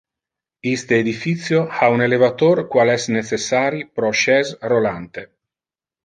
Iste edificio ha un elevator qual es necessari pro chaises rolante.